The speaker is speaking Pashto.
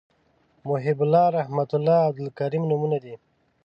محیب الله رحمت الله عبدالکریم نومونه دي